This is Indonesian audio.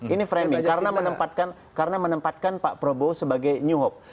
ini framing karena menempatkan pak prabowo sebagai new hope